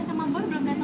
nah itu dia mereka